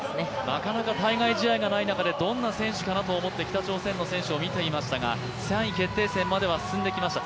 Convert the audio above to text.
なかなか対外試合がない中で、どんな選手かなと思って北朝鮮の選手を見ていましたが３位決定戦までは進んできました。